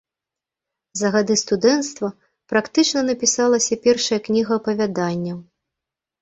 За гады студэнцтва практычна напісалася першая кніга апавяданняў.